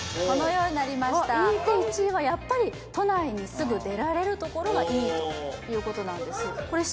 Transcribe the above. このようになりました１位はやっぱり都内にすぐ出られるところがいいということなんです